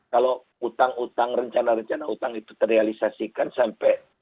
kalau utang utang rencana rencana utang itu terrealisasikan sampai